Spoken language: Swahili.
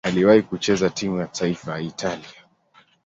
Aliwahi kucheza timu ya taifa ya Italia.